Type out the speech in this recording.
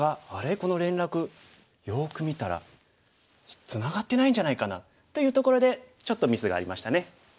この連絡よく見たらツナがってないんじゃないかな」というところでちょっとミスがありましたね。